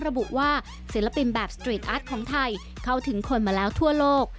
ระบุว่าศิลปินแบบสตรีทอาร์ตของไทยเข้าถึงคนมาแล้วทั่วโลก